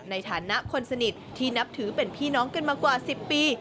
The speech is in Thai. ในฐานะคนสนิทที่นับถือเป็นพี่น้องกันมากว่า๑๐ปี